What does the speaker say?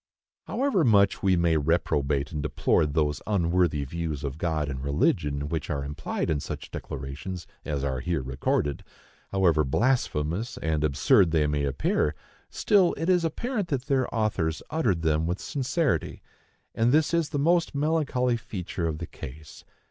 However much we may reprobate and deplore those unworthy views of God and religion which are implied in such declarations as are here recorded,—however blasphemous and absurd they may appear,—still, it is apparent that their authors uttered them with sincerity: and this is the most melancholy feature of the case.